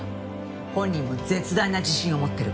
本人も絶大な自信を持ってる。